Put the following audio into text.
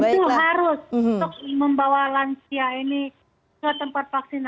itu harus untuk membawa lansia ini ke tempat lain